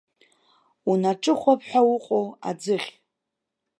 Унаҿыхәап ҳәа уҟоу аӡыхь!